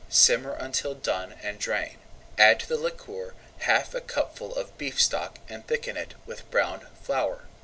Simmer until done and drain. Add to the liquor half a cupful of beef stock and thicken it with browned flour.